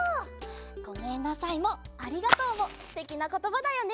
「ごめんなさい」も「ありがとう」もすてきなことばだよね！